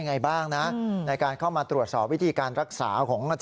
ในการเข้ามาตรวจสอบวิธีการรักษาของ